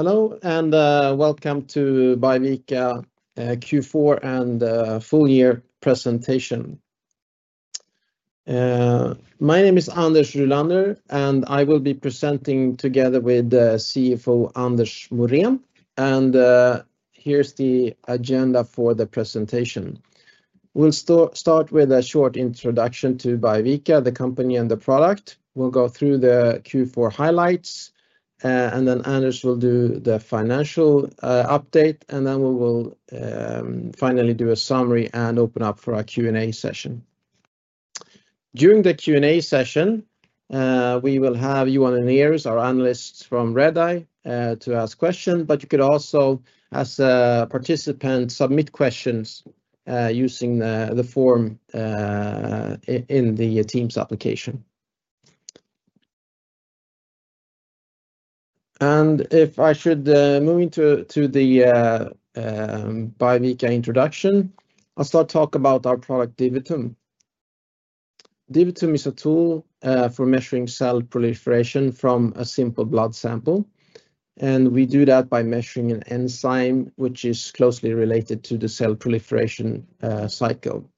Hello, and welcome to Biovica Q4 and full year presentation. My name is Anders Rylander, and I will be presenting together with CFO Anders Morén. Here is the agenda for the presentation. We will start with a short introduction to Biovica, the company, and the product. We will go through the Q4 highlights, and then Anders will do the financial update, and then we will finally do a summary and open up for a Q&A session. During the Q&A session, we will have Johanna Nier, our analyst from Redeye, to ask questions, but you could also, as a participant, submit questions using the form in the Teams application. If I should move into the Biovica introduction, I will start talking about our product, DiviTum. DiviTum is a tool for measuring cell proliferation from a simple blood sample. We do that by measuring an enzyme which is closely related to the cell proliferation cycle.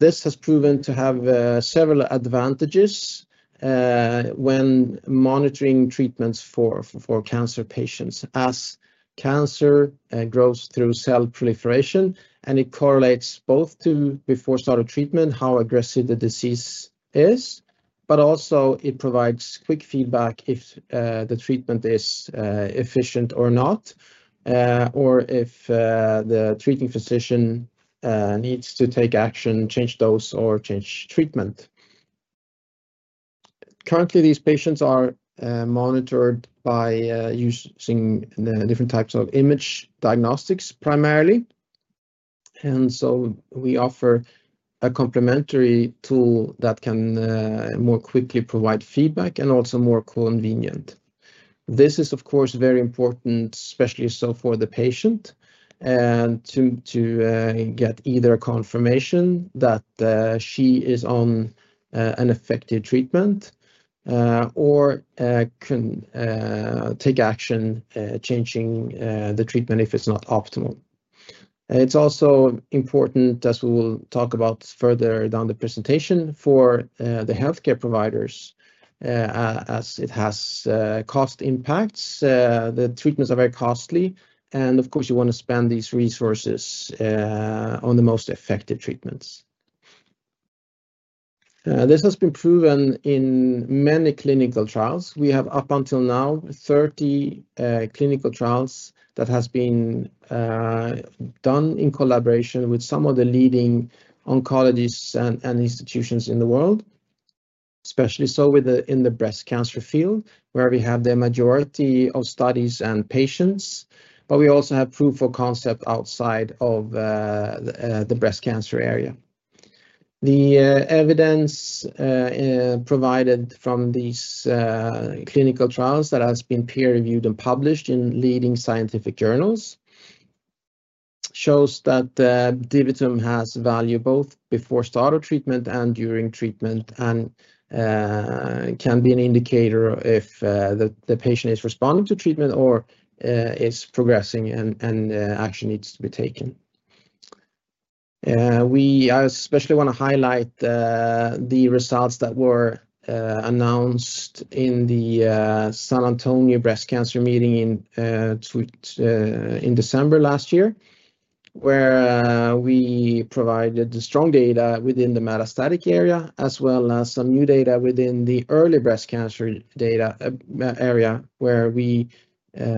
This has proven to have several advantages when monitoring treatments for cancer patients, as cancer grows through cell proliferation, and it correlates both to before start of treatment, how aggressive the disease is, but also it provides quick feedback if the treatment is efficient or not, or if the treating physician needs to take action, change dose, or change treatment. Currently, these patients are monitored by using different types of image diagnostics primarily. We offer a complementary tool that can more quickly provide feedback and also more convenient. This is, of course, very important, especially so for the patient, to get either a confirmation that she is on an effective treatment or can take action changing the treatment if it's not optimal. It's also important, as we will talk about further down the presentation, for the healthcare providers, as it has cost impacts. The treatments are very costly, and of course, you want to spend these resources on the most effective treatments. This has been proven in many clinical trials. We have, up until now, 30 clinical trials that have been done in collaboration with some of the leading oncologists and institutions in the world, especially so in the breast cancer field, where we have the majority of studies and patients, but we also have proof of concept outside of the breast cancer area. The evidence provided from these clinical trials that has been peer-reviewed and published in leading scientific journals shows that DiviTum has value both before start of treatment and during treatment and can be an indicator if the patient is responding to treatment or is progressing and action needs to be taken. I especially want to highlight the results that were announced in the San Antonio Breast Cancer Meeting in December last year, where we provided strong data within the metastatic area as well as some new data within the early breast cancer area, where we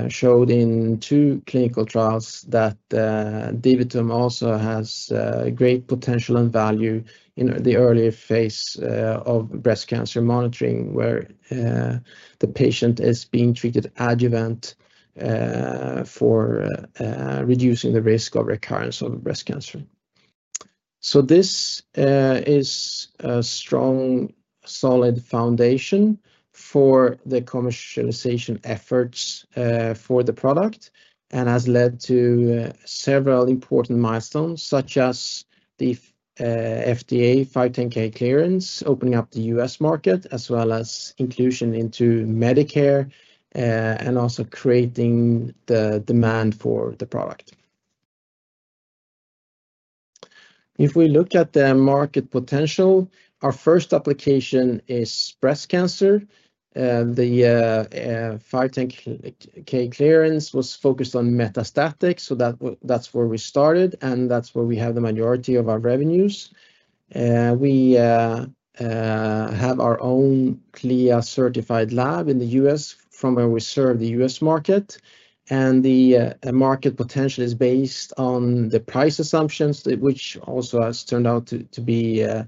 showed in two clinical trials that DiviTum also has great potential and value in the early phase of breast cancer monitoring, where the patient is being treated adjuvant for reducing the risk of recurrence of breast cancer. This is a strong, solid foundation for the commercialization efforts for the product and has led to several important milestones, such as the FDA 510(k) clearance, opening up the U.S. market, as well as inclusion into Medicare and also creating the demand for the product. If we look at the market potential, our first application is breast cancer. The 510(k) clearance was focused on metastatic, so that's where we started, and that's where we have the majority of our revenues. We have our own CLIA certified lab in the U.S. from where we serve the U.S. market, and the market potential is based on the price assumptions, which also has turned out to be a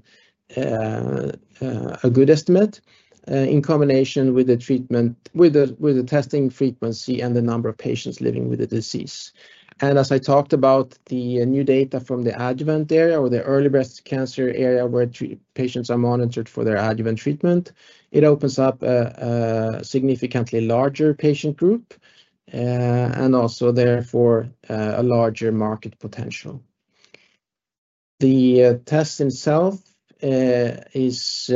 good estimate in combination with the testing frequency and the number of patients living with the disease. As I talked about, the new data from the adjuvant area or the early breast cancer area where patients are monitored for their adjuvant treatment opens up a significantly larger patient group and also, therefore, a larger market potential. The test itself is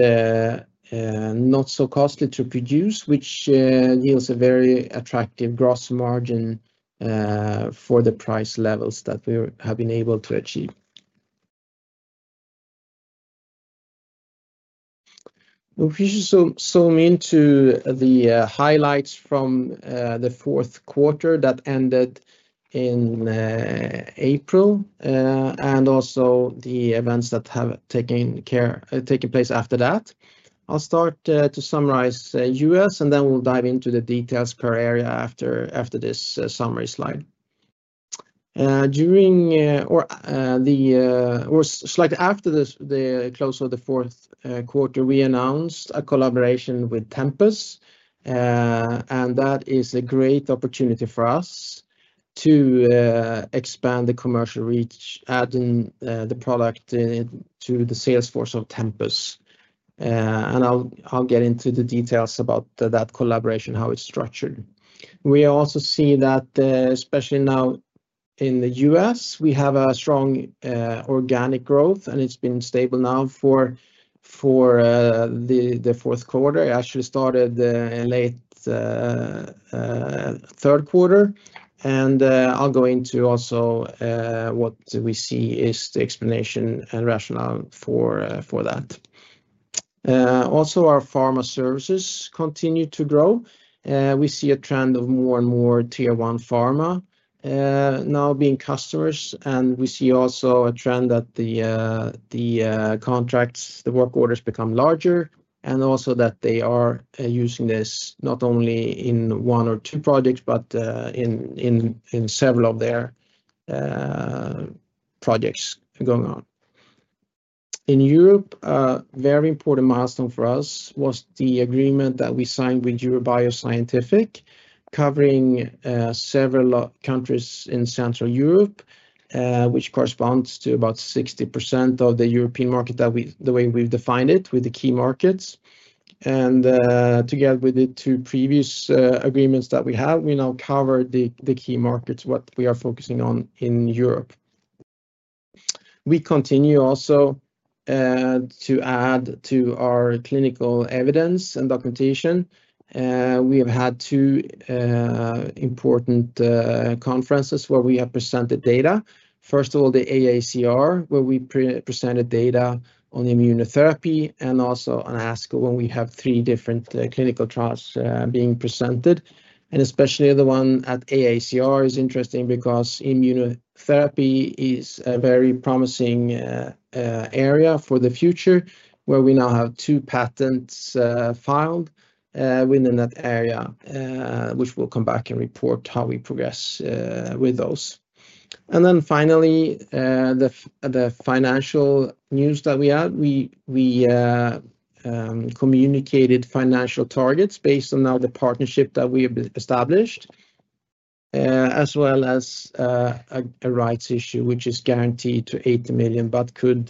not so costly to produce, which yields a very attractive gross margin for the price levels that we have been able to achieve. We should zoom into the highlights from the fourth quarter that ended in April and also the events that have taken place after that. I'll start to summarize U.S., and then we'll dive into the details per area after this summary slide. During or slightly after the close of the fourth quarter, we announced a collaboration with Tempus, and that is a great opportunity for us to expand the commercial reach, adding the product to the salesforce of Tempus. I'll get into the details about that collaboration, how it's structured. We also see that, especially now in the U.S., we have strong organic growth, and it's been stable now for the fourth quarter. It actually started the late third quarter, and I'll go into also what we see is the explanation and rationale for that. Also, our pharma services continue to grow. We see a trend of more and more tier one pharma now being customers, and we see also a trend that the contracts, the work orders become larger, and also that they are using this not only in one or two projects, but in several of their projects going on. In Europe, a very important milestone for us was the agreement that we signed with Eurobio Scientific, covering several countries in Central Europe, which corresponds to about 60% of the European market that we, the way we've defined it, with the key markets. Together with the two previous agreements that we have, we now cover the key markets, what we are focusing on in Europe. We continue also to add to our clinical evidence and documentation. We have had two important conferences where we have presented data. First of all, the AACR, where we presented data on immunotherapy, and also on ASCO, when we have three different clinical trials being presented. Especially the one at AACR is interesting because immunotherapy is a very promising area for the future, where we now have two patents filed within that area, which we will come back and report how we progress with those. Finally, the financial news that we had, we communicated financial targets based on now the partnership that we have established, as well as a rights issue, which is guaranteed to 80 million, but could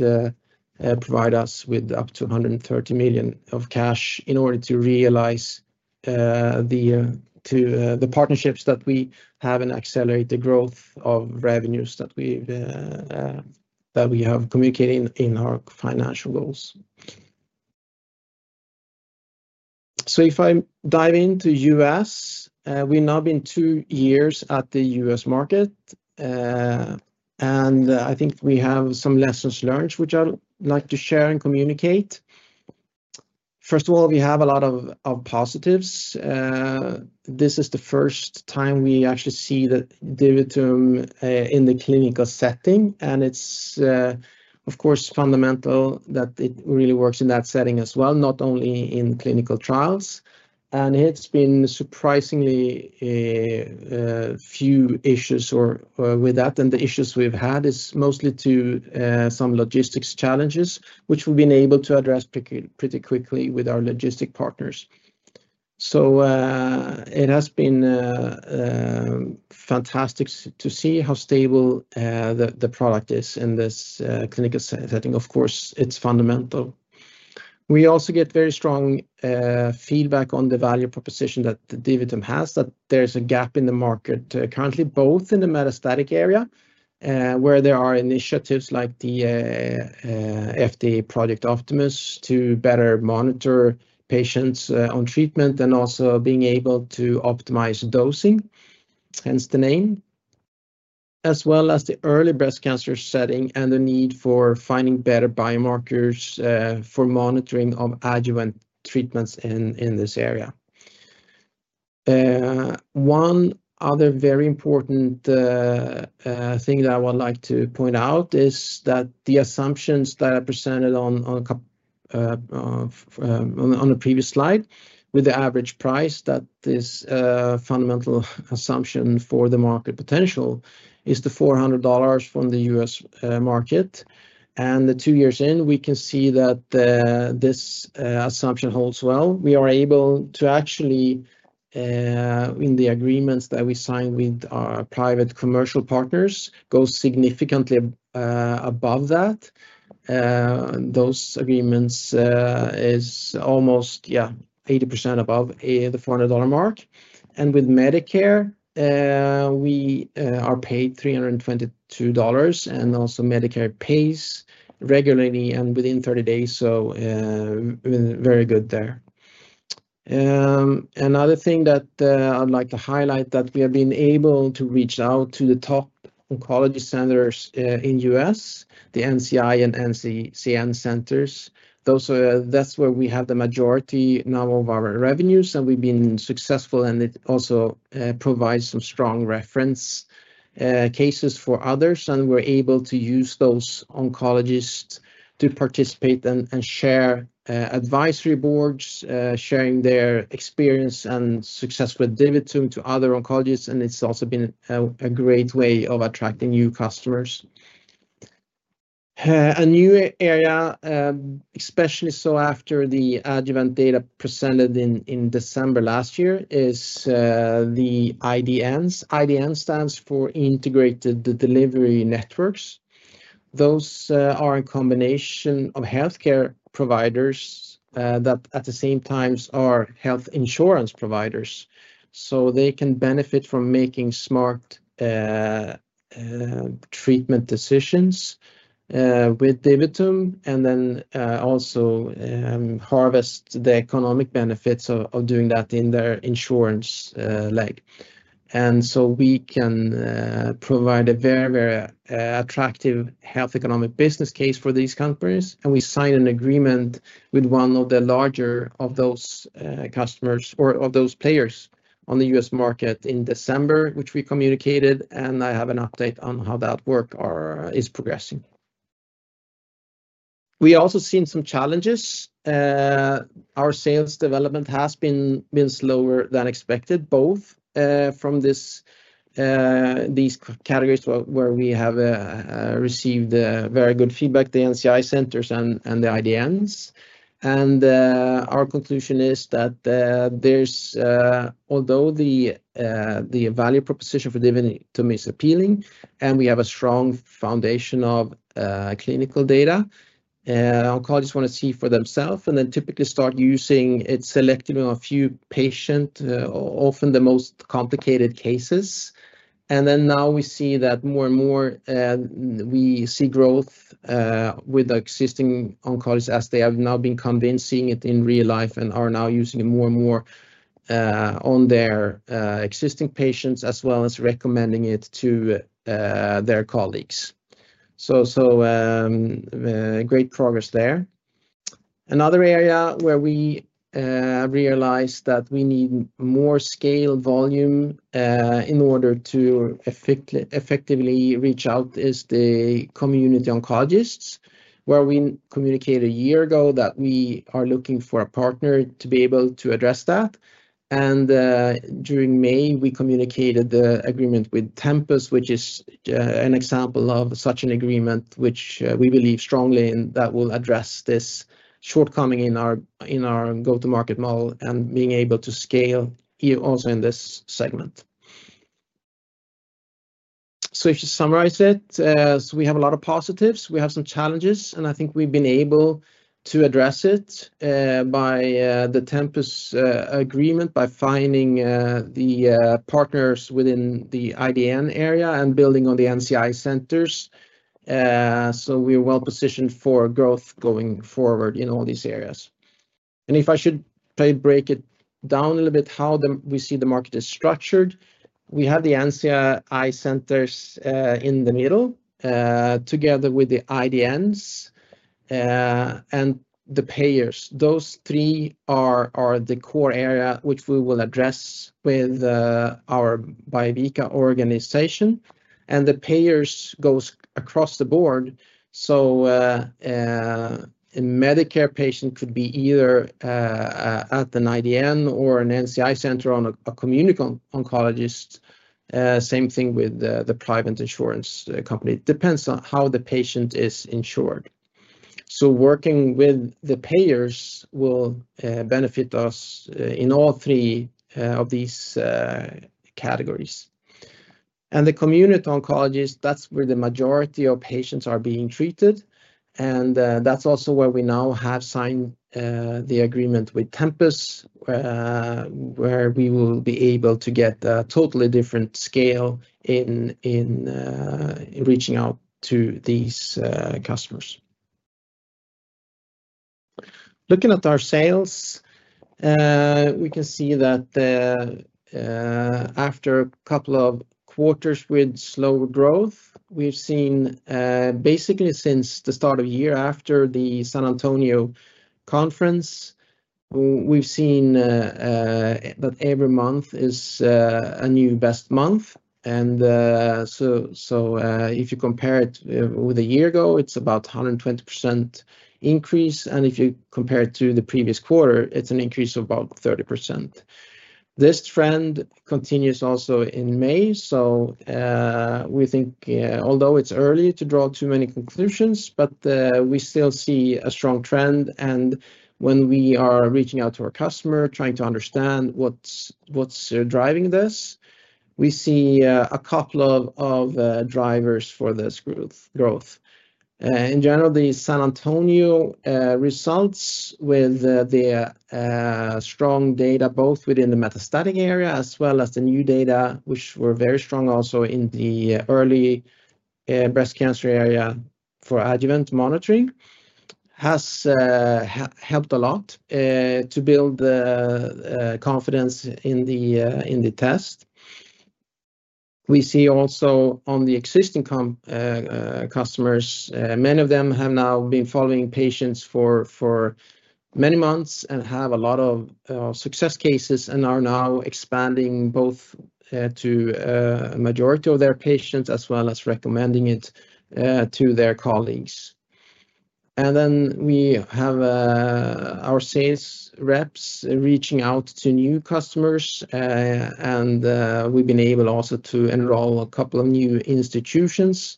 provide us with up to 130 million of cash in order to realize the partnerships that we have and accelerate the growth of revenues that we have communicated in our financial goals. If I dive into the U.S., we have now been two years at the U.S. market, and I think we have some lessons learned which I would like to share and communicate. First of all, we have a lot of positives. This is the first time we actually see the DiviTum in the clinical setting, and it's, of course, fundamental that it really works in that setting as well, not only in clinical trials. It's been surprisingly few issues with that, and the issues we've had is mostly to some logistics challenges, which we've been able to address pretty quickly with our logistic partners. It has been fantastic to see how stable the product is in this clinical setting. Of course, it's fundamental. We also get very strong feedback on the value proposition that the DiviTum has, that there's a gap in the market currently, both in the metastatic area, where there are initiatives like the FDA Project Optimus to better monitor patients on treatment and also being able to optimize dosing, hence the name, as well as the early breast cancer setting and the need for finding better biomarkers for monitoring of adjuvant treatments in this area. One other very important thing that I would like to point out is that the assumptions that are presented on the previous slide with the average price, that this fundamental assumption for the market potential is the $400 from the U.S. market. The two years in, we can see that this assumption holds well. We are able to actually, in the agreements that we signed with our private commercial partners, go significantly above that. Those agreements is almost, yeah, 80% above the $400 mark. And with Medicare, we are paid $322, and also Medicare pays regularly and within 30 days, so very good there. Another thing that I'd like to highlight is that we have been able to reach out to the top oncology centers in the U.S., the NCI and NCCN centers. That's where we have the majority now of our revenues, and we've been successful, and it also provides some strong reference cases for others. We're able to use those oncologists to participate and share advisory boards, sharing their experience and success with DiviTum to other oncologists. It's also been a great way of attracting new customers. A new area, especially so after the adjuvant data presented in December last year, is the IDNs. IDN stands for Integrated Delivery Networks. Those are a combination of healthcare providers that at the same time are health insurance providers, so they can benefit from making smart treatment decisions with DiviTum and then also harvest the economic benefits of doing that in their insurance leg. We can provide a very, very attractive health economic business case for these companies. We signed an agreement with one of the larger of those customers or of those players on the U.S. market in December, which we communicated, and I have an update on how that work is progressing. We also seen some challenges. Our sales development has been slower than expected, both from these categories where we have received very good feedback, the NCI centers and the IDNs. Our conclusion is that although the value proposition for DiviTum is appealing and we have a strong foundation of clinical data, oncologists want to see for themselves and then typically start using it selectively on a few patients, often the most complicated cases. Now we see that more and more we see growth with the existing oncologists as they have now been convincing it in real life and are now using it more and more on their existing patients as well as recommending it to their colleagues. Great progress there. Another area where we realized that we need more scale volume in order to effectively reach out is the community oncologists, where we communicated a year ago that we are looking for a partner to be able to address that. During May, we communicated the agreement with Tempus, which is an example of such an agreement, which we believe strongly in that will address this shortcoming in our go-to-market model and being able to scale also in this segment. If you summarize it, we have a lot of positives. We have some challenges, and I think we've been able to address it by the Tempus agreement, by finding the partners within the IDN area and building on the NCI centers. We are well positioned for growth going forward in all these areas. If I should break it down a little bit, how we see the market is structured, we have the NCI centers in the middle together with the IDNs and the payers. Those three are the core area which we will address with our Biovica organization. The payers go across the board. A Medicare patient could be either at an IDN or an NCI center or a community oncologist, same thing with the private insurance company. It depends on how the patient is insured. Working with the payers will benefit us in all three of these categories. The community oncologist, that's where the majority of patients are being treated. That's also where we now have signed the agreement with Tempus, where we will be able to get a totally different scale in reaching out to these customers. Looking at our sales, we can see that after a couple of quarters with slow growth, we've seen basically since the start of the year after the San Antonio Conference, we've seen that every month is a new best month. If you compare it with a year ago, it's about 120% increase. If you compare it to the previous quarter, it's an increase of about 30%. This trend continues also in May. We think, although it's early to draw too many conclusions, we still see a strong trend. When we are reaching out to our customer, trying to understand what's driving this, we see a couple of drivers for this growth. In general, the San Antonio results with the strong data, both within the metastatic area as well as the new data, which were very strong also in the early breast cancer area for adjuvant monitoring, has helped a lot to build confidence in the test. We see also on the existing customers, many of them have now been following patients for many months and have a lot of success cases and are now expanding both to a majority of their patients as well as recommending it to their colleagues. We have our sales reps reaching out to new customers. We have been able also to enroll a couple of new institutions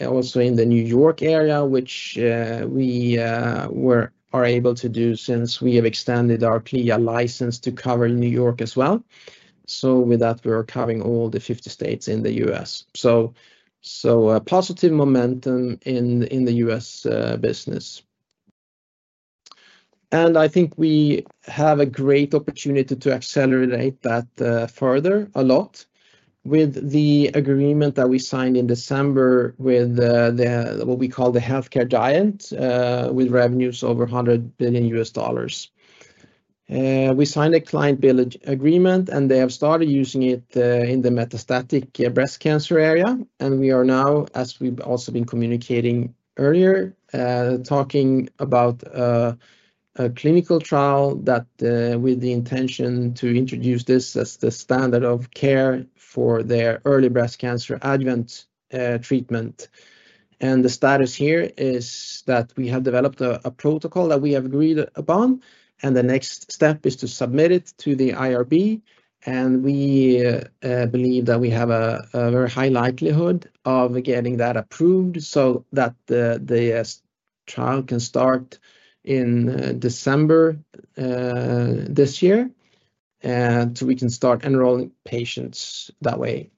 also in the New York area, which we are able to do since we have extended our CLIA license to cover New York as well. With that, we are covering all the 50 states in the U.S.. Positive momentum in the U.S. business. I think we have a great opportunity to accelerate that further a lot with the agreement that we signed in December with what we call the healthcare giant with revenues over $100 billion. We signed a client bill agreement, and they have started using it in the metastatic breast cancer area. We are now, as we've also been communicating earlier, talking about a clinical trial with the intention to introduce this as the standard of care for their early breast cancer adjuvant treatment. The status here is that we have developed a protocol that we have agreed upon, and the next step is to submit it to the IRB. We believe that we have a very high likelihood of getting that approved so that the trial can start in December this year so we can start enrolling patients that way.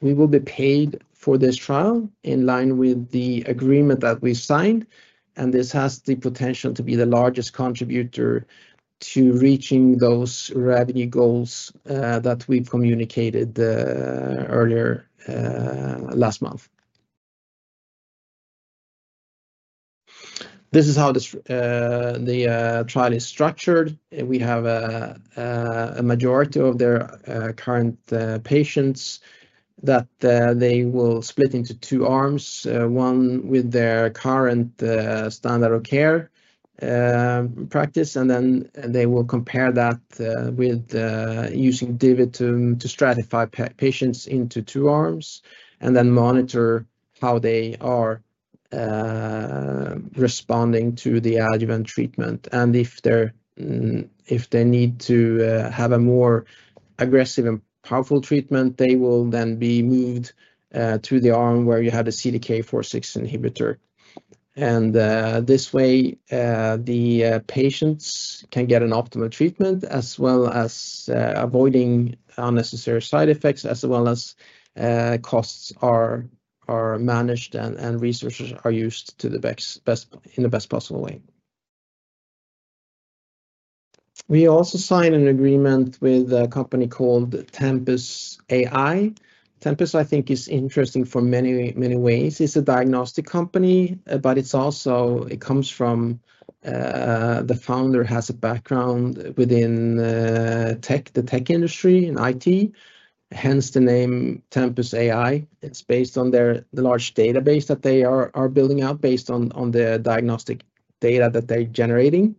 We will be paid for this trial in line with the agreement that we've signed. This has the potential to be the largest contributor to reaching those revenue goals that we've communicated earlier last month. This is how the trial is structured. We have a majority of their current patients that they will split into two arms, one with their current standard of care practice, and then they will compare that with using DiviTum to stratify patients into two arms and then monitor how they are responding to the adjuvant treatment. If they need to have a more aggressive and powerful treatment, they will then be moved to the arm where you have the CDK4/6 inhibitor. In this way, the patients can get an optimal treatment as well as avoiding unnecessary side effects, as well as costs are managed and resources are used in the best possible way. We also signed an agreement with a company called Tempus AI. Tempus, I think, is interesting for many, many ways. It's a diagnostic company, but it comes from the founder has a background within the tech industry and IT, hence the name Tempus AI. It's based on the large database that they are building out based on the diagnostic data that they're generating.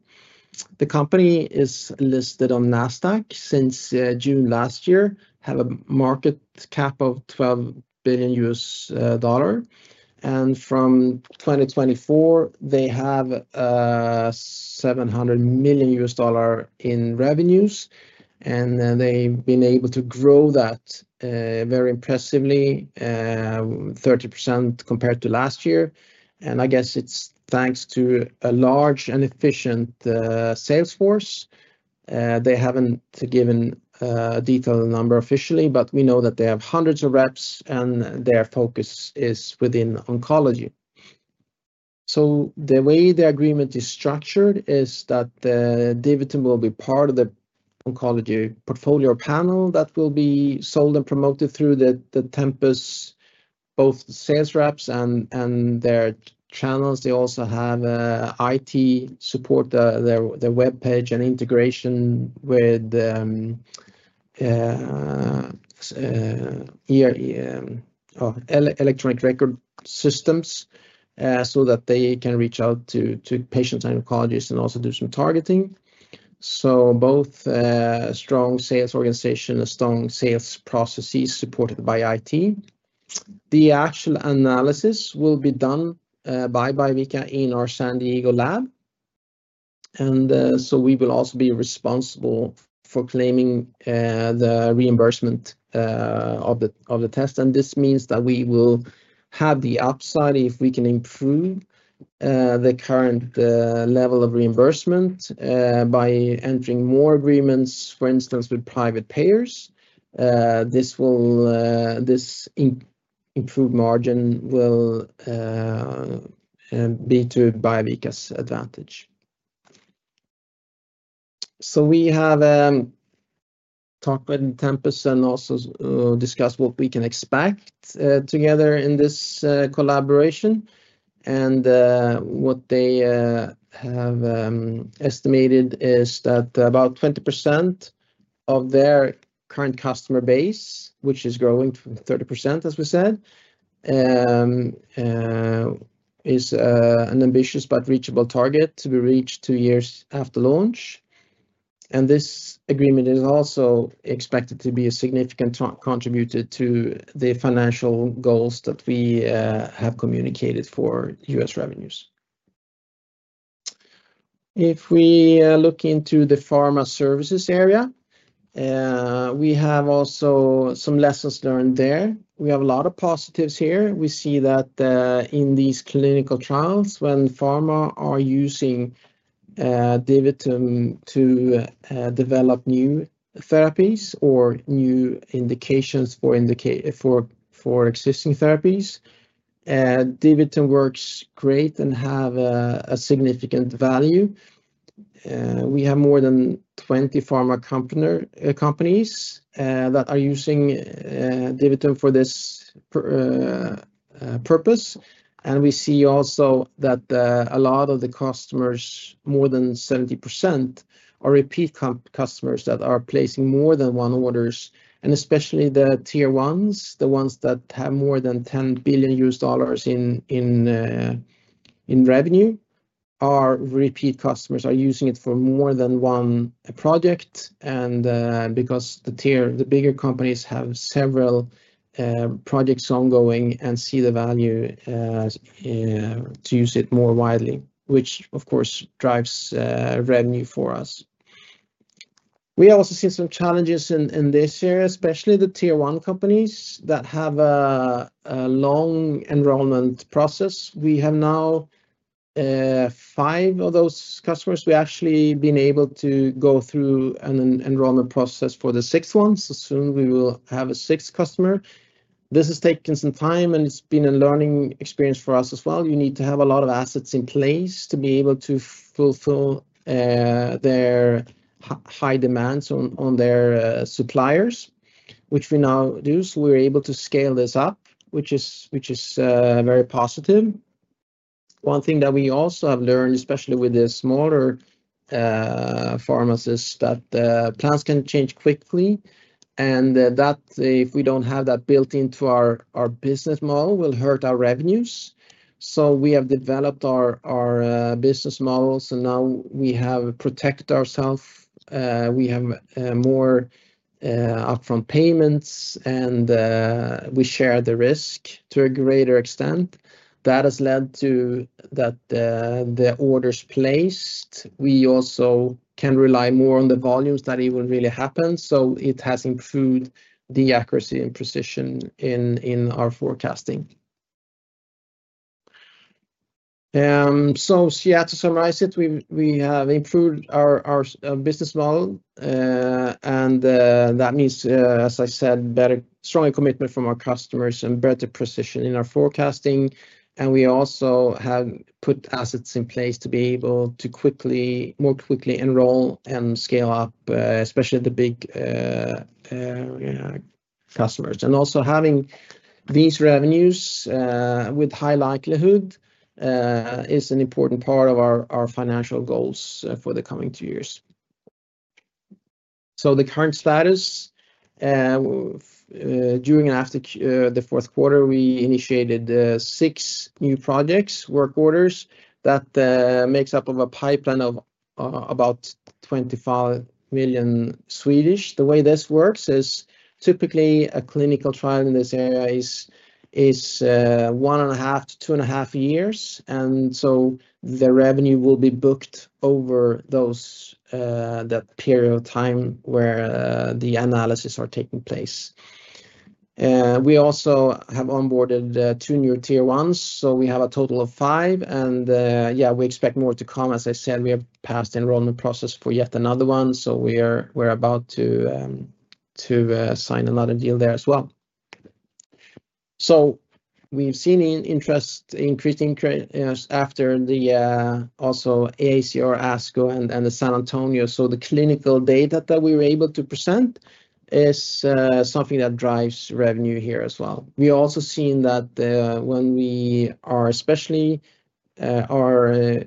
The company is listed on NASDAQ since June last year, has a market cap of $12 billion. From 2024, they have $700 million in revenues. They've been able to grow that very impressively, 30% compared to last year. I guess it's thanks to a large and efficient sales force. They haven't given a detailed number officially, but we know that they have hundreds of reps and their focus is within oncology. The way the agreement is structured is that DiviTum will be part of the oncology portfolio panel that will be sold and promoted through the Tempus, both sales reps and their channels. They also have IT support, their web page and integration with electronic record systems so that they can reach out to patients and oncologists and also do some targeting. Both strong sales organization and strong sales processes supported by IT. The actual analysis will be done by Biovica in our San Diego lab. We will also be responsible for claiming the reimbursement of the test. This means that we will have the upside if we can improve the current level of reimbursement by entering more agreements, for instance, with private payers. This improved margin will be to Biovica's advantage. We have talked with Tempus and also discussed what we can expect together in this collaboration. What they have estimated is that about 20% of their current customer base, which is growing from 30%, as we said, is an ambitious but reachable target to be reached two years after launch. This agreement is also expected to be a significant contributor to the financial goals that we have communicated for U.S. revenues. If we look into the pharma services area, we have also some lessons learned there. We have a lot of positives here. We see that in these clinical trials, when pharma are using DiviTum to develop new therapies or new indications for existing therapies, DiviTum works great and has a significant value. We have more than 20 pharma companies that are using DiviTum for this purpose. We see also that a lot of the customers, more than 70%, are repeat customers that are placing more than one orders. Especially the tier ones, the ones that have more than $10 billion in revenue, are repeat customers using it for more than one project. The bigger companies have several projects ongoing and see the value to use it more widely, which, of course, drives revenue for us. We also see some challenges in this area, especially the tier one companies that have a long enrollment process. We have now five of those customers. We have actually been able to go through an enrollment process for the sixth one. Soon, we will have a sixth customer. This has taken some time, and it has been a learning experience for us as well. You need to have a lot of assets in place to be able to fulfill their high demands on their suppliers, which we now do. We are able to scale this up, which is very positive. One thing that we also have learned, especially with the smaller pharmacies, is that plans can change quickly. If we do not have that built into our business model, it will hurt our revenues. We have developed our business models, and now we have protected ourselves. We have more upfront payments, and we share the risk to a greater extent. That has led to the orders placed. We also can rely more on the volumes that it will really happen. It has improved the accuracy and precision in our forecasting. To summarize it, we have improved our business model. That means, as I said, better, stronger commitment from our customers and better precision in our forecasting. We also have put assets in place to be able to more quickly enroll and scale up, especially the big customers. Also, having these revenues with high likelihood is an important part of our financial goals for the coming two years. The current status, during and after the fourth quarter, is that we initiated six new projects, work orders that make up a pipeline of about 25 million. The way this works is typically a clinical trial in this area is one and a half to two and a half years, and the revenue will be booked over that period of time where the analyses are taking place. We also have onboarded two new tier ones, so we have a total of five. Yeah, we expect more to come. As I said, we have passed the enrollment process for yet another one. We are about to sign another deal there as well. We have seen interest increasing after also AACR, ASCO, and San Antonio. The clinical data that we were able to present is something that drives revenue here as well. We are also seeing that when we are especially targeting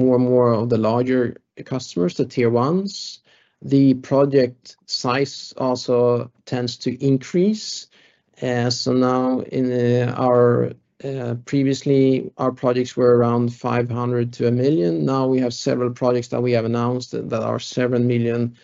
more and more of the larger customers, the tier ones, the project size also tends to increase. Previously, our projects were around 500,000 to 1 million. Now we have several projects that we have announced that are 7 million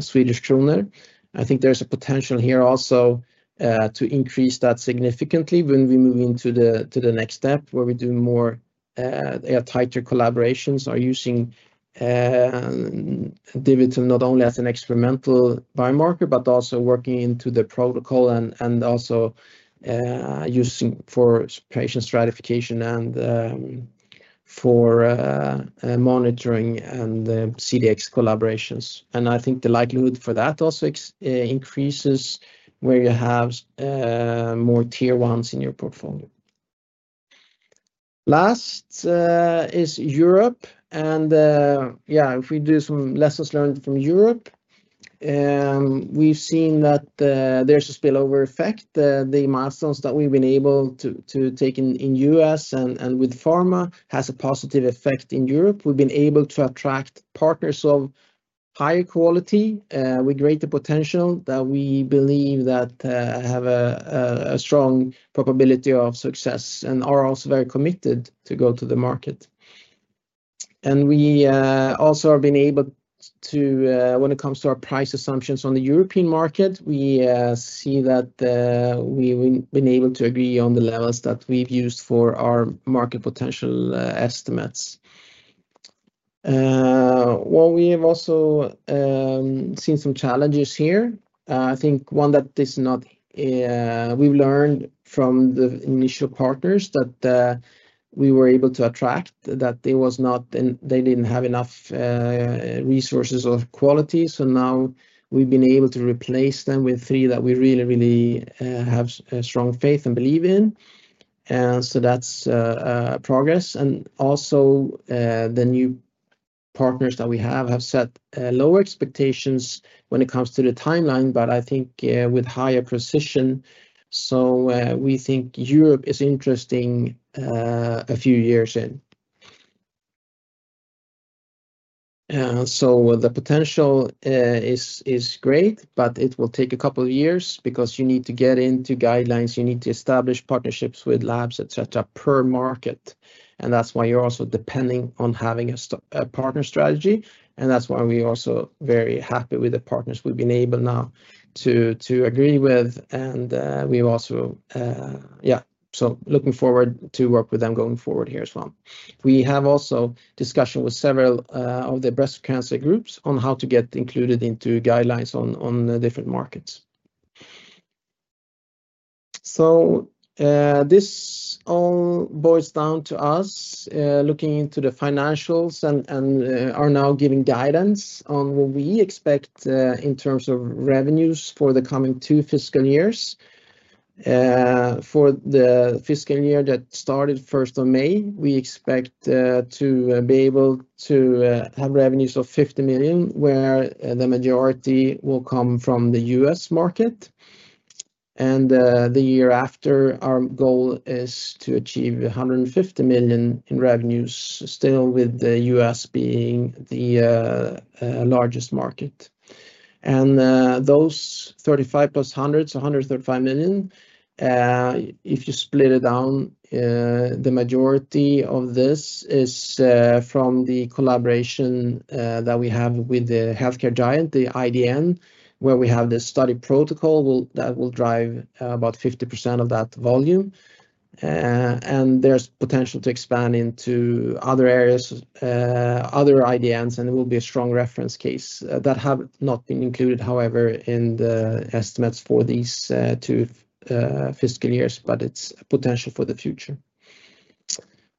Swedish kronor. I think there is a potential here also to increase that significantly when we move into the next step where we do more tighter collaborations. We are using DiviTum not only as an experimental biomarker but also working into the protocol and also using for patient stratification and for monitoring and CDX collaborations. I think the likelihood for that also increases where you have more tier ones in your portfolio. Last is Europe. If we do some lessons learned from Europe, we've seen that there's a spillover effect. The milestones that we've been able to take in the U.S. and with pharma have a positive effect in Europe. We've been able to attract partners of higher quality with greater potential that we believe have a strong probability of success and are also very committed to go to the market. We also have been able to, when it comes to our price assumptions on the European market, we see that we have been able to agree on the levels that we have used for our market potential estimates. We have also seen some challenges here. I think one that we have learned from the initial partners that we were able to attract is that they did not have enough resources or quality. Now we have been able to replace them with three that we really, really have strong faith and believe in. That is progress. The new partners that we have have set lower expectations when it comes to the timeline, but I think with higher precision. We think Europe is interesting a few years in. The potential is great, but it will take a couple of years because you need to get into guidelines. You need to establish partnerships with labs, etc., per market. That is why you're also depending on having a partner strategy. That is why we're also very happy with the partners we've been able now to agree with. We're also, yeah, so looking forward to work with them going forward here as well. We have also discussed with several of the breast cancer groups on how to get included into guidelines on different markets. This all boils down to us looking into the financials and are now giving guidance on what we expect in terms of revenues for the coming two fiscal years. For the fiscal year that started 1st of May, we expect to be able to have revenues of 50 million, where the majority will come from the U.S. market. The year after, our goal is to achieve 150 million in revenues, still with the U.S. being the largest market. Those 35 million plus 100 million, 135 million, if you split it down, the majority of this is from the collaboration that we have with the healthcare giant, the IDN, where we have the study protocol that will drive about 50% of that volume. There is potential to expand into other areas, other IDNs, and it will be a strong reference case that has not been included, however, in the estimates for these two fiscal years, but it is potential for the future.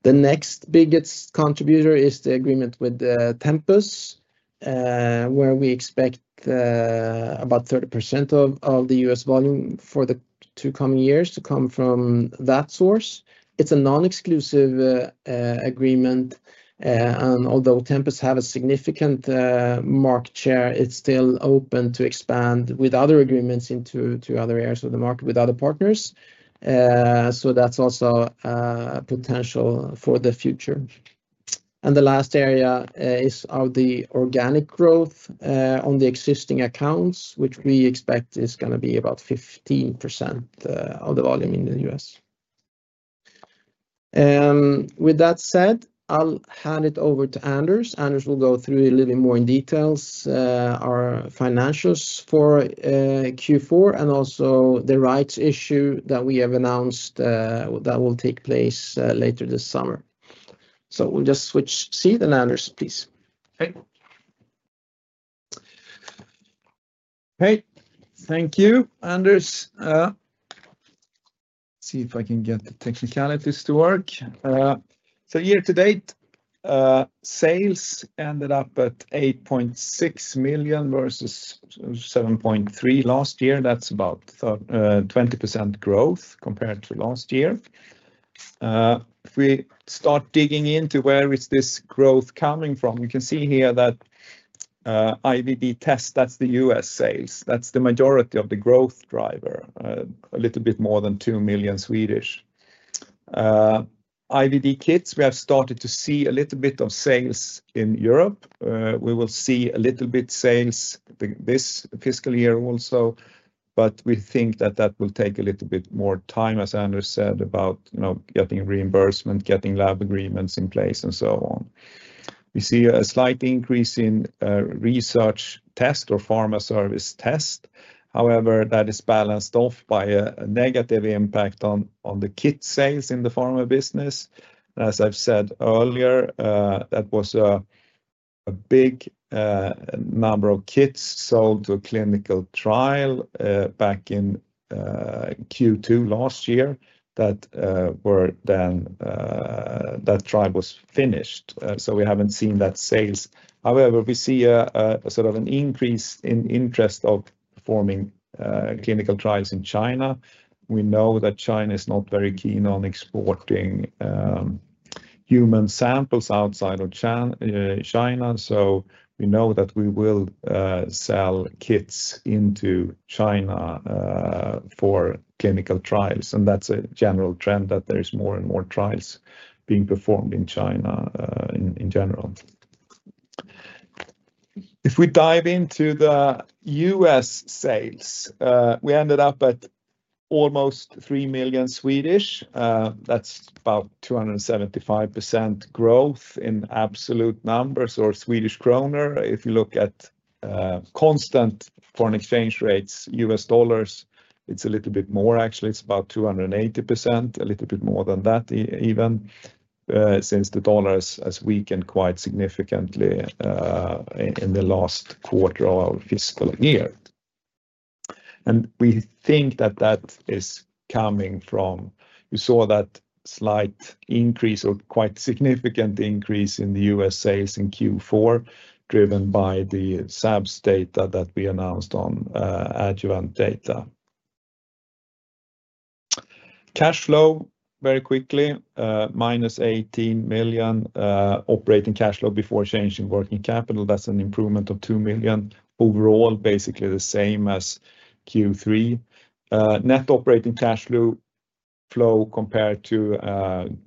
The next biggest contributor is the agreement with Tempus, where we expect about 30% of the U.S. volume for the two coming years to come from that source. It is a non-exclusive agreement. Although Tempus has a significant market share, it's still open to expand with other agreements into other areas of the market with other partners. That's also a potential for the future. The last area is the organic growth on the existing accounts, which we expect is going to be about 15% of the volume in the U.S. With that said, I'll hand it over to Anders. Anders will go through a little bit more in detail our financials for Q4 and also the rights issue that we have announced that will take place later this summer. We'll just switch seat, Anders, please. Okay. Thank you, Anders. See if I can get the technicalities to work. Year to date, sales ended up at 8.6 million versus 7.3 million last year. That's about 20% growth compared to last year. If we start digging into where this growth is coming from, you can see here that IVD test, that's the U.S. sales. That's the majority of the growth driver, a little bit more than 2 million. IVD kits, we have started to see a little bit of sales in Europe. We will see a little bit of sales this fiscal year also, but we think that that will take a little bit more time, as Anders said, about getting reimbursement, getting lab agreements in place, and so on. We see a slight increase in research test or pharma service test. However, that is balanced off by a negative impact on the kit sales in the pharma business. As I've said earlier, that was a big number of kits sold to a clinical trial back in Q2 last year that were then that trial was finished. We have not seen that sales. However, we see a sort of an increase in interest of performing clinical trials in China. We know that China is not very keen on exporting human samples outside of China. We know that we will sell kits into China for clinical trials. That is a general trend that there are more and more trials being performed in China in general. If we dive into the U.S. sales, we ended up at almost 3 million. That is about 275% growth in absolute numbers or Swedish kronor. If you look at constant foreign exchange rates, U.S. dollars, it is a little bit more. Actually, it is about 280%, a little bit more than that even, since the dollar has weakened quite significantly in the last quarter of our fiscal year. We think that that is coming from you saw that slight increase or quite significant increase in the U.S. sales in Q4, driven by the SABS data that we announced on adjuvant data. Cash flow, very quickly, -18 million operating cash flow before changing working capital. That is an improvement of 2 million overall, basically the same as Q3. Net operating cash flow compared to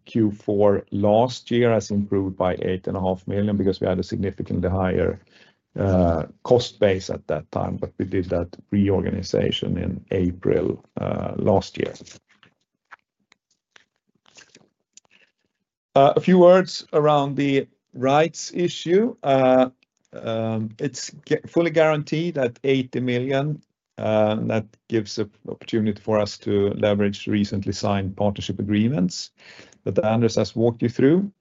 Q4 last year has improved by 8.5 million because we had a significantly higher cost base at that time. We did that reorganization in April last year. A few words around the rights issue. It is fully guaranteed at 80 million. That gives an opportunity for us to leverage recently signed partnership agreements that Anders has walked you through.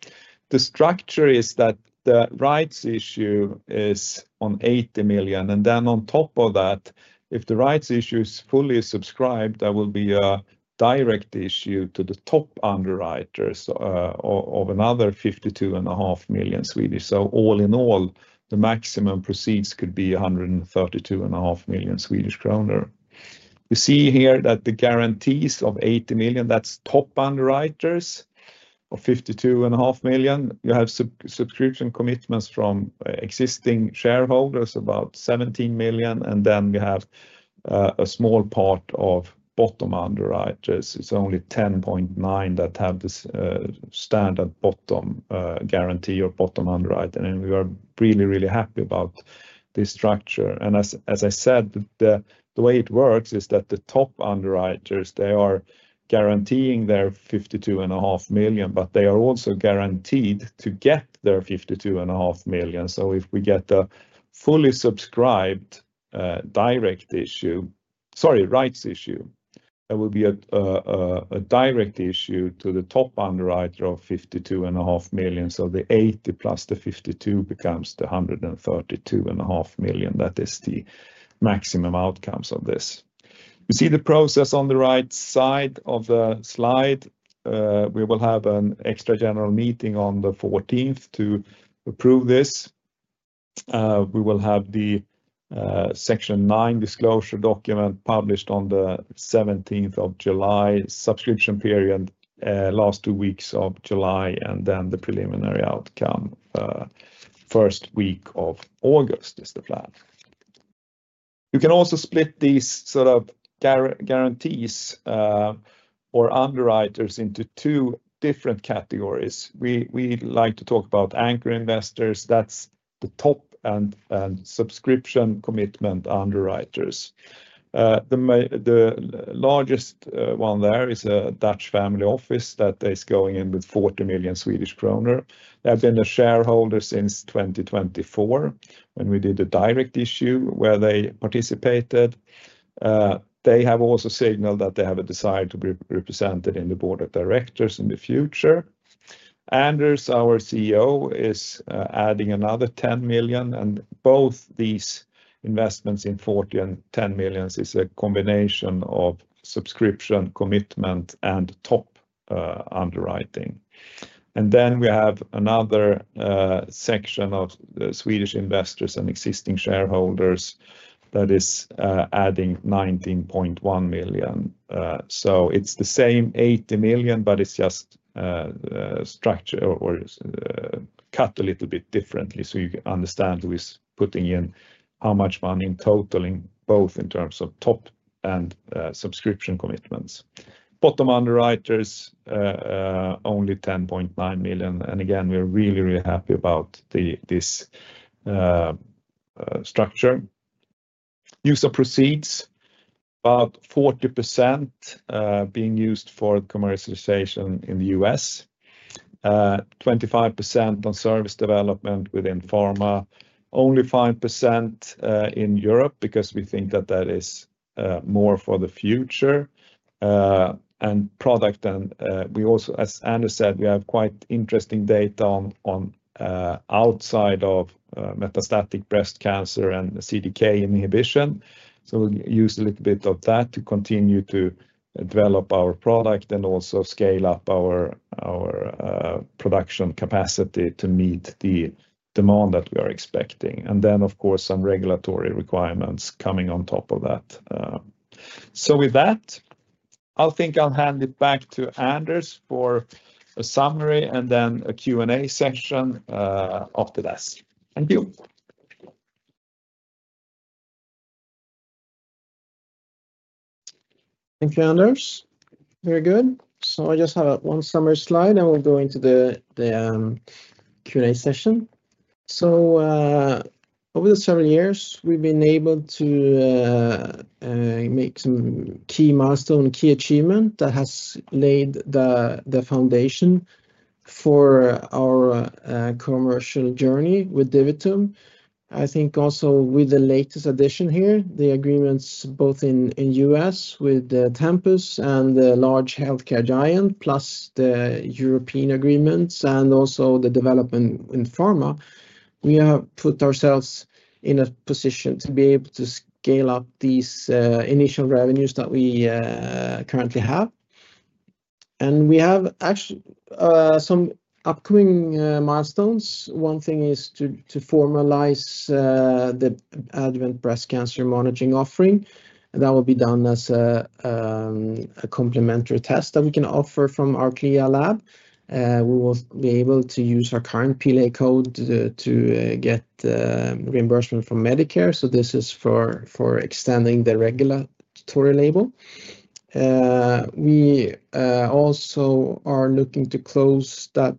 The structure is that the rights issue is on 80 million. Then on top of that, if the rights issue is fully subscribed, there will be a direct issue to the top underwriters of another 52.5 million. All in all, the maximum proceeds could be 132.5 million Swedish kronor. You see here that the guarantees of 80 million, that is top underwriters of 52.5 million. You have subscription commitments from existing shareholders, about 17 million. Then we have a small part of bottom underwriters. It is only 10.9 million that have the standard bottom guarantee or bottom underwriter. We are really, really happy about this structure. As I said, the way it works is that the top underwriters, they are guaranteeing their 52.5 million, but they are also guaranteed to get their 52.5 million. If we get a fully subscribed rights issue, there will be a direct issue to the top underwriter of 52.5 million. The 80 million plus the 52.5 million becomes 132.5 million. That is the maximum outcome of this. You see the process on the right side of the slide. We will have an extra general meeting on the 14th to approve this. We will have the Section 9 disclosure document published on the 17th of July, subscription period, last two weeks of July, and then the preliminary outcome, first week of August is the plan. You can also split these sort of guarantees or underwriters into two different categories. We like to talk about anchor investors. That is the top and subscription commitment underwriters. The largest one there is a Dutch family office that is going in with 40 million Swedish kronor. They have been a shareholder since 2024 when we did the direct issue where they participated. They have also signaled that they have a desire to be represented in the board of directors in the future. Anders, our CEO, is adding another 10 million. Both these investments in 40 million and 10 million is a combination of subscription commitment and top underwriting. We have another section of Swedish investors and existing shareholders that is adding 19.1 million. It is the same 80 million, but it is just structured or cut a little bit differently so you understand who is putting in how much money in total in both in terms of top and subscription commitments. Bottom underwriters, only 10.9 million. We are really, really happy about this structure. Use of proceeds, about 40% being used for commercialization in the U.S., 25% on service development within pharma, only 5% in Europe because we think that that is more for the future. And product, and we also, as Anders said, we have quite interesting data on outside of metastatic breast cancer and CDK inhibition. So we'll use a little bit of that to continue to develop our product and also scale up our production capacity to meet the demand that we are expecting. And then, of course, some regulatory requirements coming on top of that. With that, I think I'll hand it back to Anders for a summary and then a Q&A session after this. Thank you. Thank you, Anders. Very good. I just have one summary slide, and we'll go into the Q&A session. Over the seven years, we've been able to make some key milestones, key achievements that have laid the foundation for our commercial journey with DiviTum. I think also with the latest addition here, the agreements both in the U.S. with Tempus and the large healthcare giant, plus the European agreements and also the development in pharma, we have put ourselves in a position to be able to scale up these initial revenues that we currently have. We have actually some upcoming milestones. One thing is to formalize the adjuvant breast cancer monitoring offering. That will be done as a complementary test that we can offer from our CLIA lab. We will be able to use our current PLA code to get reimbursement from Medicare. This is for extending the regulatory label. We also are looking to close that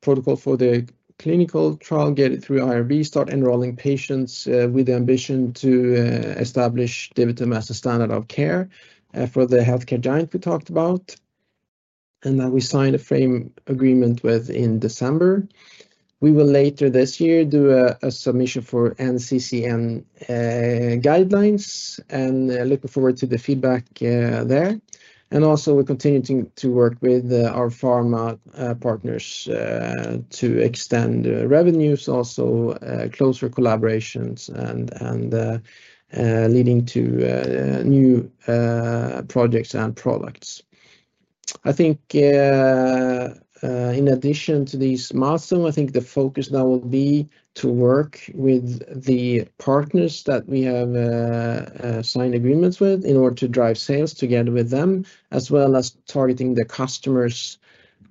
protocol for the clinical trial, get it through IRB, start enrolling patients with the ambition to establish DiviTum as a standard of care for the healthcare giant we talked about. We signed a frame agreement with them in December. We will later this year do a submission for NCCN guidelines and look forward to the feedback there. We are continuing to work with our pharma partners to extend revenues, also closer collaborations and leading to new projects and products. I think in addition to these milestones, I think the focus now will be to work with the partners that we have signed agreements with in order to drive sales together with them, as well as targeting the customers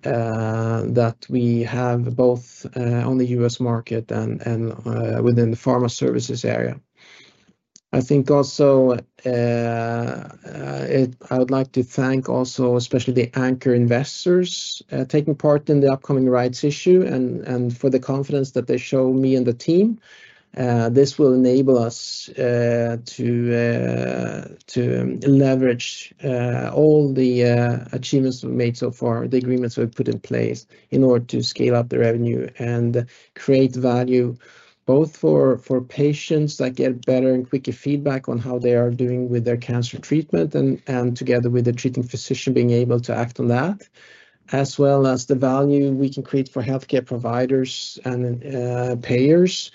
that we have both on the U.S. market and within the pharma services area. I think also I would like to thank also especially the anchor investors taking part in the upcoming rights issue and for the confidence that they show me and the team. This will enable us to leverage all the achievements we've made so far, the agreements we've put in place in order to scale up the revenue and create value both for patients that get better and quicker feedback on how they are doing with their cancer treatment and together with the treating physician being able to act on that, as well as the value we can create for healthcare providers and payers,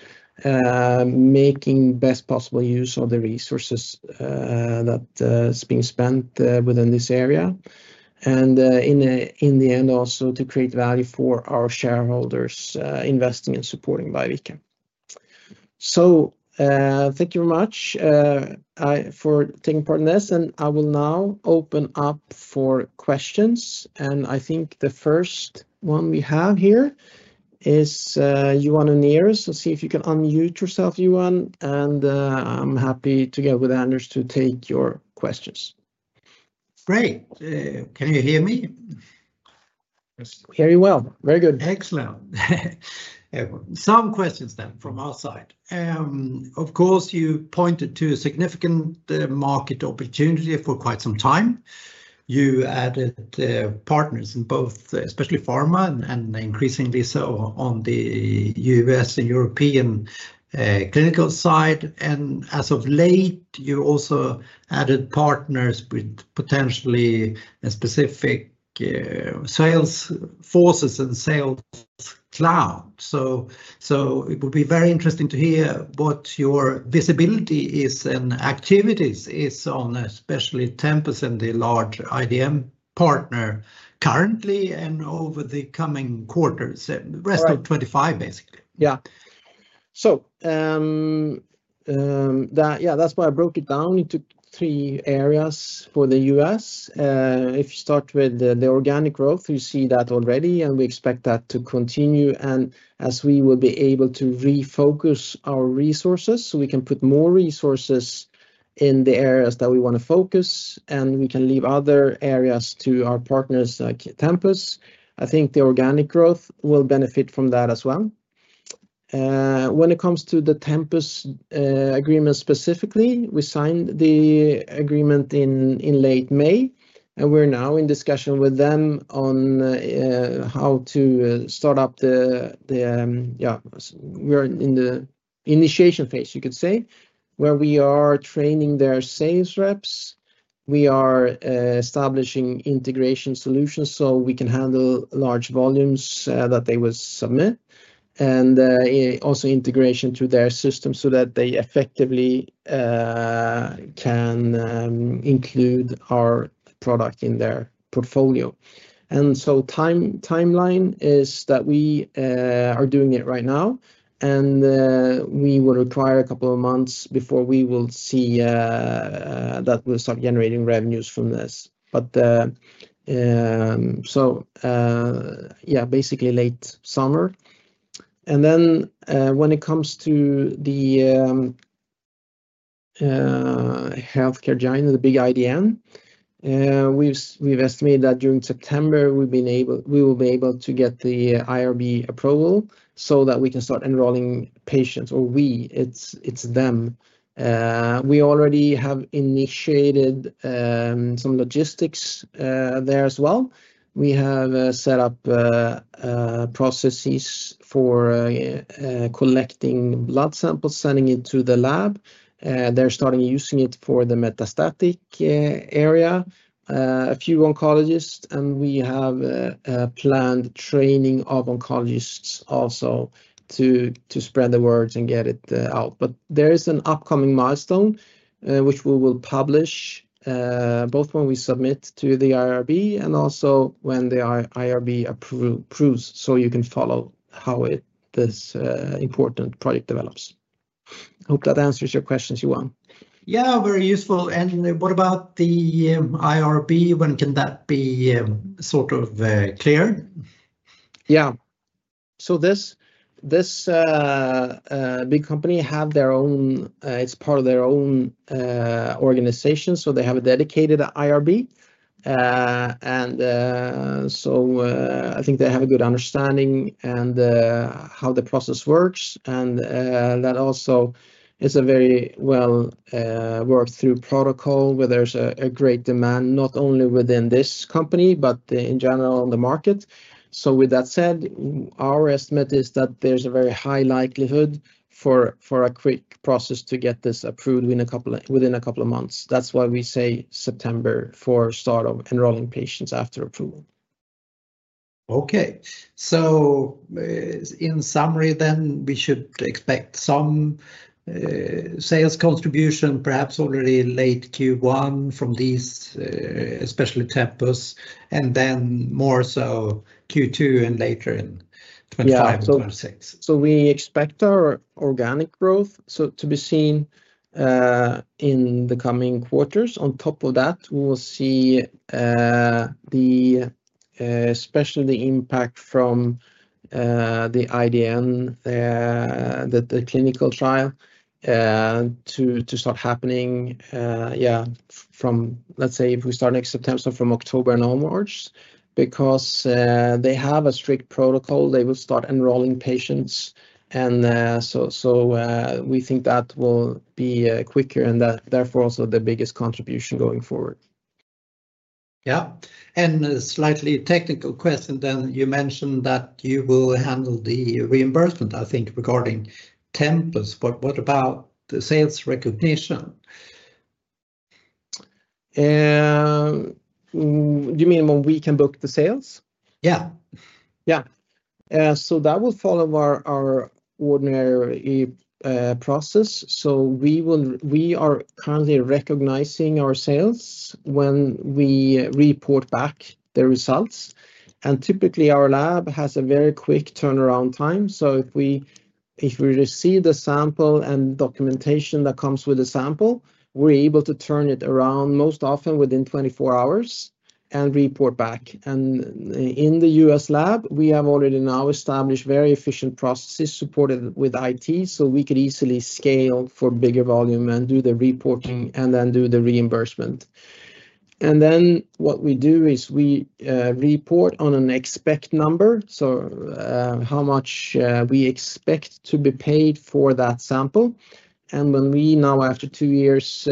making best possible use of the resources that are being spent within this area. In the end, also to create value for our shareholders investing and supporting Biovica. Thank you very much for taking part in this. I will now open up for questions. I think the first one we have here is Johanna Nier. See if you can unmute yourself, Johanna. I'm happy to get with Anders to take your questions. Great. Can you hear me? Hear you well. Very good. Excellent. Some questions then from our side. Of course, you pointed to a significant market opportunity for quite some time. You added partners in both, especially pharma and increasingly so on the U.S. and European clinical side. As of late, you also added partners with potentially specific sales forces and sales cloud. It would be very interesting to hear what your visibility is and activities is on, especially Tempus and the large IDN partner currently and over the coming quarters, the rest of 2025 basically. Yeah. That's why I broke it down into three areas for the U.S.. If you start with the organic growth, you see that already, and we expect that to continue. As we will be able to refocus our resources, we can put more resources in the areas that we want to focus, and we can leave other areas to our partners like Tempus. I think the organic growth will benefit from that as well. When it comes to the Tempus agreement specifically, we signed the agreement in late May, and we're now in discussion with them on how to start up the, yeah, we're in the initiation phase, you could say, where we are training their sales reps. We are establishing integration solutions so we can handle large volumes that they will submit and also integration to their system so that they effectively can include our product in their portfolio. The timeline is that we are doing it right now, and we will require a couple of months before we will see that we will start generating revenues from this. Basically late summer. When it comes to the healthcare giant, the big IDN, we have estimated that during September, we will be able to get the IRB approval so that we can start enrolling patients, or we, it is them. We already have initiated some logistics there as well. We have set up processes for collecting blood samples, sending it to the lab. They are starting using it for the metastatic area, a few oncologists, and we have planned training of oncologists also to spread the words and get it out. There is an upcoming milestone which we will publish both when we submit to the IRB and also when the IRB approves so you can follow how this important project develops. Hope that answers your questions, Johan. Yeah, very useful. What about the IRB? When can that be sort of cleared? Yeah. This big company has their own, it's part of their own organization, so they have a dedicated IRB. I think they have a good understanding of how the process works. That also is a very well-worked-through protocol where there's a great demand, not only within this company, but in general on the market. With that said, our estimate is that there's a very high likelihood for a quick process to get this approved within a couple of months. That's why we say September for start of enrolling patients after approval. Okay. In summary then, we should expect some sales contribution, perhaps already late Q1 from these, especially Tempus, and then more so Q2 and later in 2025, 2026. We expect our organic growth to be seen in the coming quarters. On top of that, we will see especially the impact from the IDN, the clinical trial, to start happening, yeah, from, let's say, if we start next September, so from October and onwards, because they have a strict protocol. They will start enrolling patients. We think that will be quicker and therefore also the biggest contribution going forward. Yeah. A slightly technical question then. You mentioned that you will handle the reimbursement, I think, regarding Tempus. What about the sales recognition? You mean when we can book the sales? Yeah. That will follow our ordinary process. We are currently recognizing our sales when we report back the results. Typically, our lab has a very quick turnaround time. If we receive the sample and documentation that comes with the sample, we are able to turn it around most often within 24 hours and report back. In the U.S. lab, we have already now established very efficient processes supported with IT, so we could easily scale for bigger volume and do the reporting and then do the reimbursement. What we do is we report on an expect number, so how much we expect to be paid for that sample. When we now, after two years'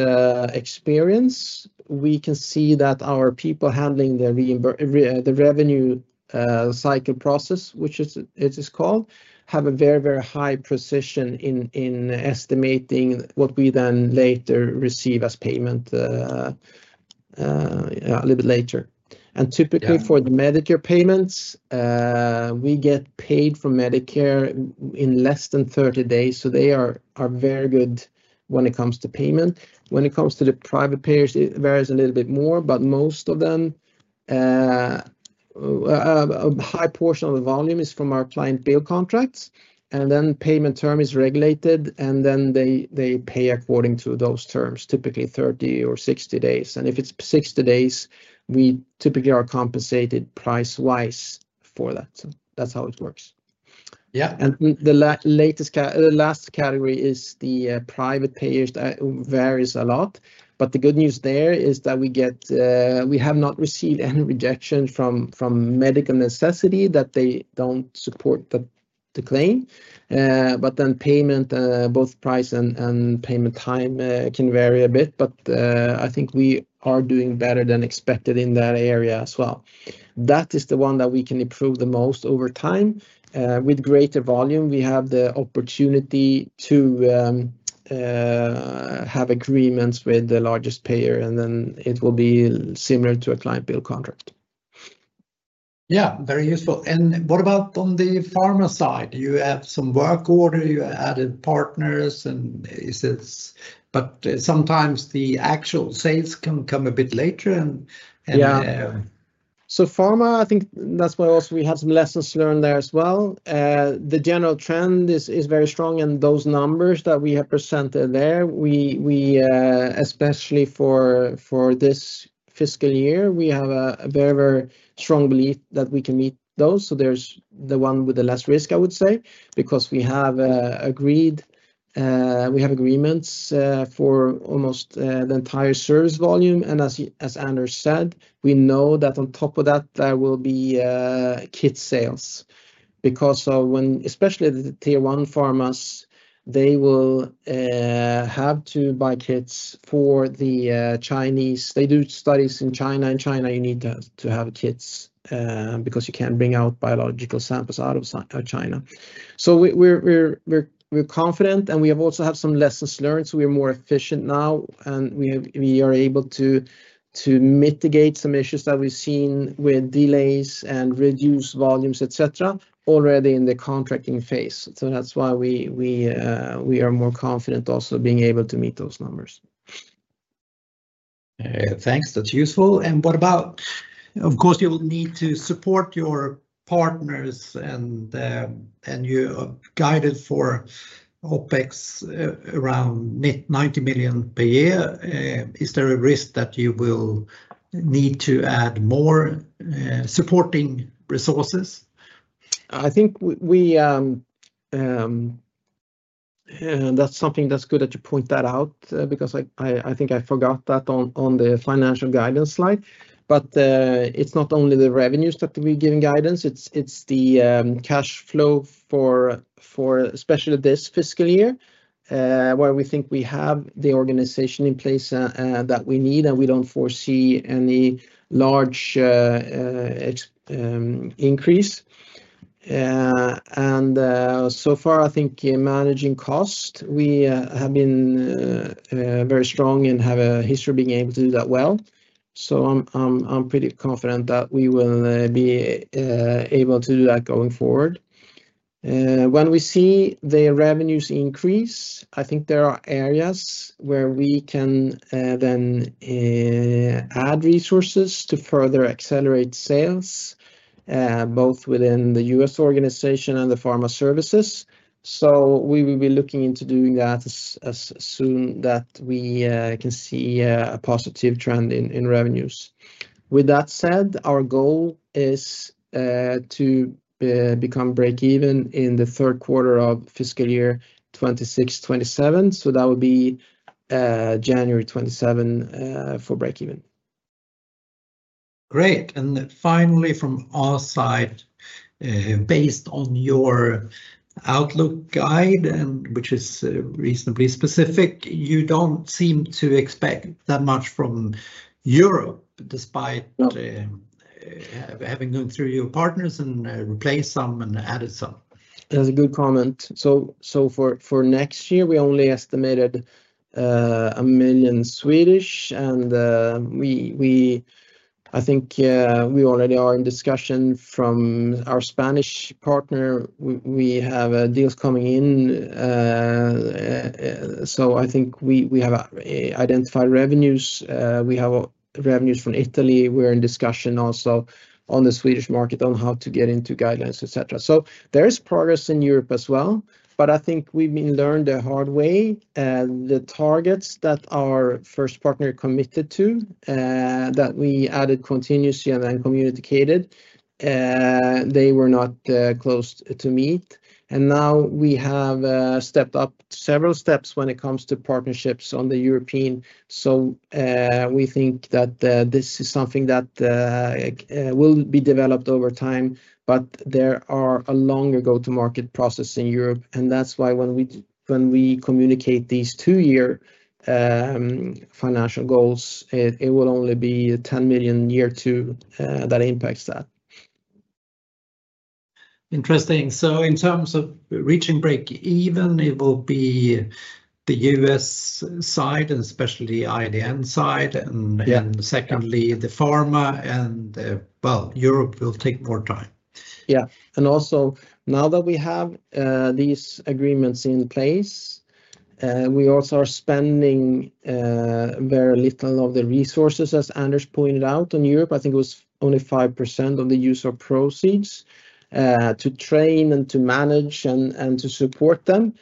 experience, we can see that our people handling the revenue cycle process, which it is called, have a very, very high precision in estimating what we then later receive as payment a little bit later. Typically for the Medicare payments, we get paid from Medicare in less than 30 days. They are very good when it comes to payment. When it comes to the private payers, it varies a little bit more, but most of them, a high portion of the volume is from our client bill contracts. The payment term is regulated, and they pay according to those terms, typically 30 or 60 days. If it is 60 days, we typically are compensated price-wise for that. That is how it works. The last category is the private payers. It varies a lot. The good news there is that we have not received any rejection from medical necessity that they do not support the claim. Payment, both price and payment time, can vary a bit. I think we are doing better than expected in that area as well. That is the one that we can improve the most over time. With greater volume, we have the opportunity to have agreements with the largest payer, and then it will be similar to a client bill contract. Yeah. Very useful. What about on the pharma side? You have some work order, you added partners, and is it, but sometimes the actual sales can come a bit later and yeah. Pharma, I think that's why also we have some lessons learned there as well. The general trend is very strong, and those numbers that we have presented there, especially for this fiscal year, we have a very, very strong belief that we can meet those. There is the one with the less risk, I would say, because we have agreed we have agreements for almost the entire service volume. As Anders said, we know that on top of that, there will be kit sales because of when, especially the tier one pharmas, they will have to buy kits for the Chinese. They do studies in China. In China, you need to have kits because you cannot bring out biological samples out of China. We are confident, and we have also had some lessons learned. We are more efficient now, and we are able to mitigate some issues that we have seen with delays and reduced volumes, etc., already in the contracting phase. That is why we are more confident also being able to meet those numbers. Thanks. That is useful. What about, of course, you will need to support your partners and you guided for OpEx around 90 million per year. Is there a risk that you will need to add more supporting resources? I think that's something that's good that you point that out because I think I forgot that on the financial guidance slide. It's not only the revenues that we're giving guidance, it's the cash flow for especially this fiscal year where we think we have the organization in place that we need and we don't foresee any large increase. So far, I think managing cost, we have been very strong and have a history of being able to do that well. I'm pretty confident that we will be able to do that going forward. When we see the revenues increase, I think there are areas where we can then add resources to further accelerate sales, both within the U.S. organization and the pharma services. We will be looking into doing that as soon as we can see a positive trend in revenues. With that said, our goal is to become break-even in the third quarter of fiscal year 2026-2027. That would be January 2027 for break-even. Great. Finally, from our side, based on your outlook guide, which is reasonably specific, you do not seem to expect that much from Europe despite having gone through your partners and replaced some and added some. That is a good comment. For next year, we only estimated 1 million. I think we already are in discussion from our Spanish partner. We have deals coming in. I think we have identified revenues. We have revenues from Italy. We are in discussion also on the Swedish market on how to get into guidelines, etc. There is progress in Europe as well. I think we have learned the hard way. The targets that our first partner committed to, that we added continuously and then communicated, they were not close to meet. We have stepped up several steps when it comes to partnerships on the European side. We think that this is something that will be developed over time. There is a longer go-to-market process in Europe. That is why when we communicate these two-year financial goals, it will only be 10 million year two that impacts that. Interesting. In terms of reaching break-even, it will be the U.S. side and especially the IDN side. Secondly, the pharma and, well, Europe will take more time. Yeah. Also, now that we have these agreements in place, we are spending very little of the resources, as Anders pointed out, on Europe. I think it was only 5% of the use of proceeds to train and to manage and to support them.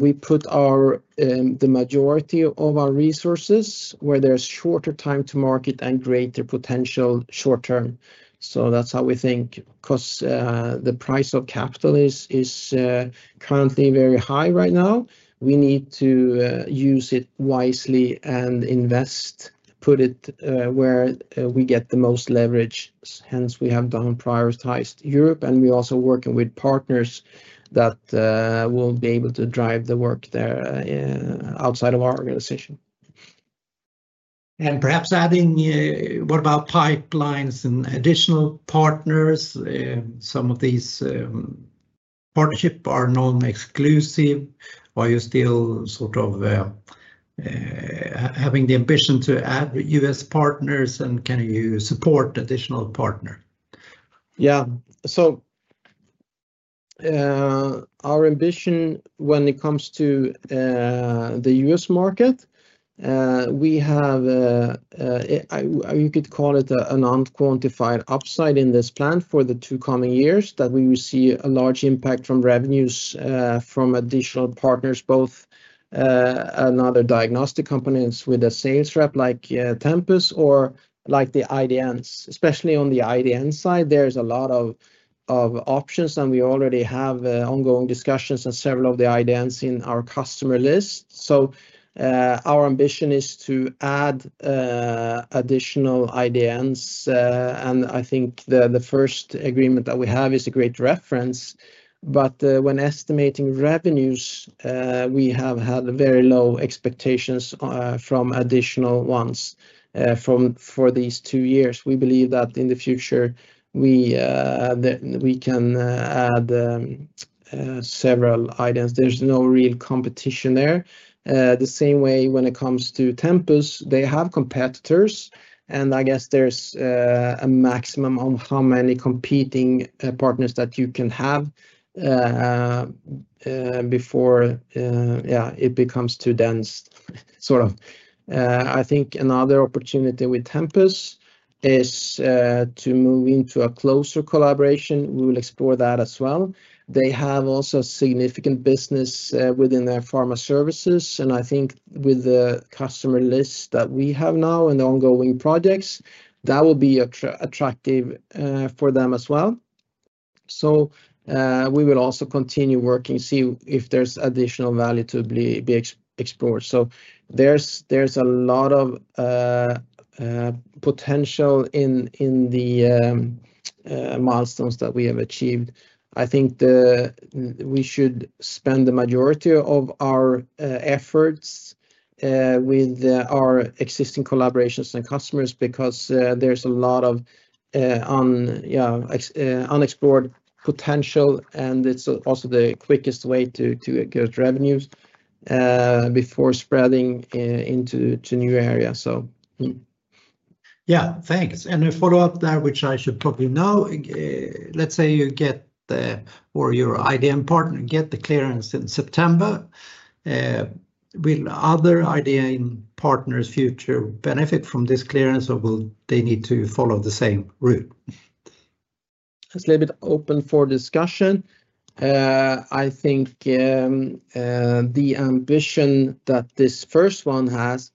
We put the majority of our resources where there is shorter time to market and greater potential short term. That is how we think because the price of capital is currently very high right now. We need to use it wisely and invest, put it where we get the most leverage. Hence, we have downprioritized Europe. We are also working with partners that will be able to drive the work there outside of our organization. Perhaps adding, what about pipelines and additional partners? Some of these partnerships are non-exclusive. Are you still sort of having the ambition to add U.S. partners? Can you support additional partners? Yeah. Our ambition when it comes to the U.S. market, we have, you could call it an unquantified upside in this plan for the two coming years that we will see a large impact from revenues from additional partners, both other diagnostic companies with a sales rep like Tempus or like the IDNs. Especially on the IDN side, there are a lot of options. We already have ongoing discussions on several of the IDNs in our customer list. Our ambition is to add additional IDNs. I think the first agreement that we have is a great reference. When estimating revenues, we have had very low expectations from additional ones for these two years. We believe that in the future, we can add several IDNs. There is no real competition there. The same way when it comes to Tempus, they have competitors. I guess there's a maximum on how many competing partners that you can have before it becomes too dense, sort of. I think another opportunity with Tempus is to move into a closer collaboration. We will explore that as well. They have also significant business within their pharma services. I think with the customer list that we have now and the ongoing projects, that will be attractive for them as well. We will also continue working, see if there's additional value to be explored. There's a lot of potential in the milestones that we have achieved. I think we should spend the majority of our efforts with our existing collaborations and customers because there's a lot of unexplored potential. It's also the quickest way to get revenues before spreading into new areas. Yeah. Thanks. A follow-up there, which I should probably know. Let's say you get or your IDN partner gets the clearance in September. Will other IDN partners' future benefit from this clearance, or will they need to follow the same route? It's a little bit open for discussion. I think the ambition that this first one has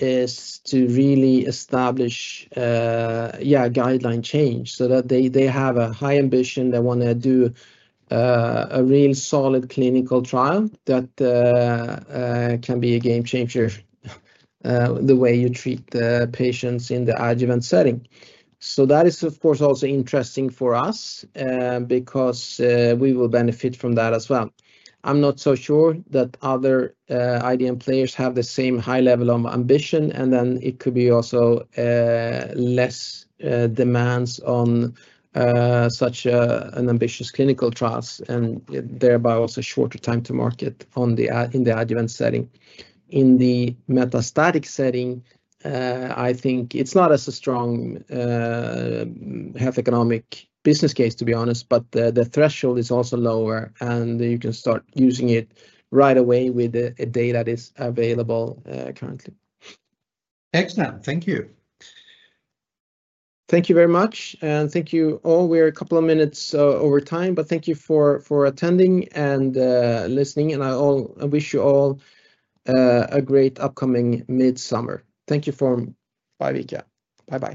is to really establish, yeah, guideline change so that they have a high ambition. They want to do a real solid clinical trial that can be a game-changer, the way you treat patients in the adjuvant setting. That is, of course, also interesting for us because we will benefit from that as well. I'm not so sure that other IDN players have the same high level of ambition. It could be also less demands on such an ambitious clinical trials and thereby also shorter time to market in the adjuvant setting. In the metastatic setting, I think it's not as a strong health economic business case, to be honest, but the threshold is also lower. You can start using it right away with the data that is available currently. Excellent. Thank you. Thank you very much. Thank you all. We're a couple of minutes over time, but thank you for attending and listening. I wish you all a great upcoming midsummer. Thank you, Biovica. Bye-bye.